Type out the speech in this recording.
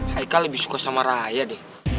haika lebih suka sama raya deh